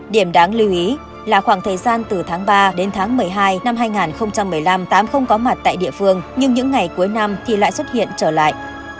điểm đáng lưu ý là khoảng thời gian từ tháng ba đến tháng một mươi hai năm hai nghìn một mươi năm tám không có mặt tại địa phương nhưng những ngày cuối năm thì lại xuất hiện trở lại